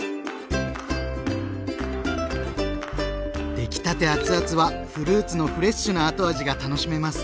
出来たて熱々はフルーツのフレッシュな後味が楽しめます。